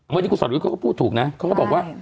วันนี้คุณสอยุทธ์เขาก็พูดถูกนะเขาก็บอกว่า